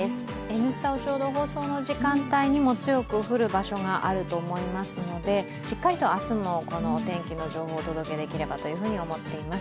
「Ｎスタ」を放送の時間帯にも強く降る場所があると思いますのでしっかりと明日もこのお天気の情報をお届けできればと思います。